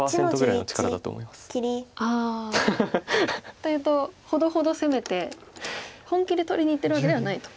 というとほどほど攻めて本気で取りにいってるわけではないと。